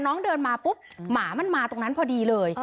น้องเดินมาปุ๊บหมามันมาตรงนั้นพอดีเลย